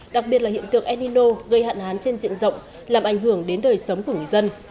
đặc biệt là hiện tượng enino gây hạn hán trên diện rộng làm ảnh hưởng đến đời sống của người dân